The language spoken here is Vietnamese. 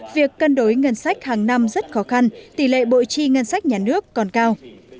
việc cân đối ngân sách hàng năm rất khó khăn tỷ lệ bội chi ngân sách nhà nước còn cao